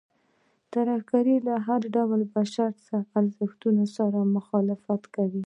ترهګرۍ له هر ډول بشري ارزښتونو سره مخالفت کوي.